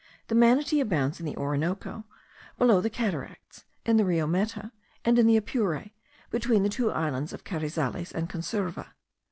The manatee abounds in the Orinoco below the cataracts, in the Rio Meta, and in the Apure, between the two islands of Carizales and Conserva.